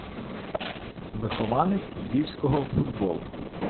Вихованець львівського футболу.